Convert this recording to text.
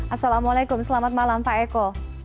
assalamualaikum selamat malam pak eko